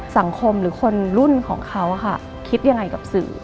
สังคมหรือคนรุ่นของเขาค่ะคิดยังไงกับสื่อ